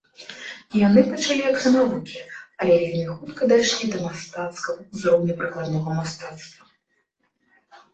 Яны пачалі як самавукі, але вельмі хутка дайшлі да мастацкага ўзроўню прыкладнога мастацтва.